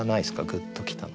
「グッときた」の。